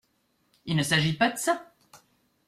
Il ne s’agit pas de ça !